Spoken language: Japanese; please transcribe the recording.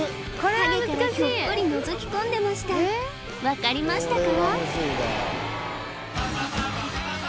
陰からひょっこりのぞき込んでました分かりましたか？